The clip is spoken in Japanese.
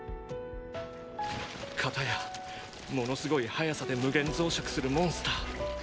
かたやものすごい速さで無限増殖するモンスター。